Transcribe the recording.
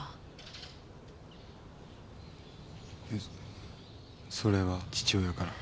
えそれは父親から？